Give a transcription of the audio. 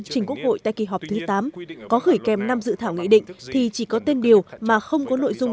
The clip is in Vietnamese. trên quốc hội tại kỳ họp thứ tám có gửi kem năm dự thảo nghệ định thì chỉ có tên điều mà không có nội dung